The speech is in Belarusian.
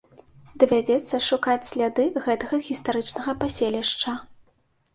Давядзецца шукаць сляды гэтага гістарычнага паселішча.